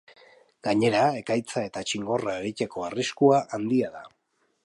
Gainera, ekaitza eta txingorra egiteko arriskua handia da.